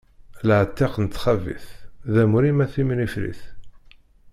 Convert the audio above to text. Laɛtiq n txabit d amur-im a timnifrit.